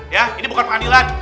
ya ini bukan pengadilan